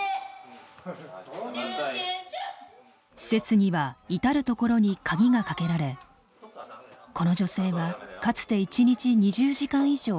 施設には至る所に鍵がかけられこの女性はかつて一日２０時間以上居室に閉じ込められていました。